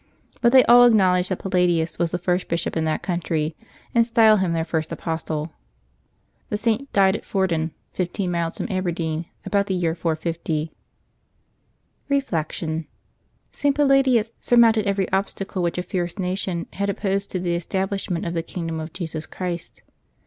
But they all acknowledge that Palladius was the first bishop in that country, and style him their first apostle. The Saint died at Fordun, fifteen miles from Aberdeen, about the year 450. Reflection. — St. Palladius surmounted every obstacle which a fierce nation had opposed to the establishment of the kingdom of Jesus Christ.